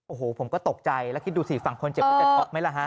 โอโหผมก็ตกใจและคิดดูสิฝั่งคนเจ็บไม่รับฮะ